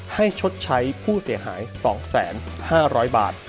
ให้ชดใช้ผู้เสียหายสองแสนห้าร้อยบาท